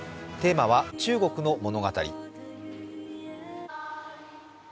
テーマは「中国の物語」。